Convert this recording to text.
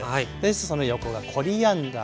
その横がコリアンダー。